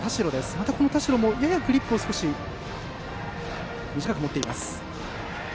また田代もグリップを少し短く持っています。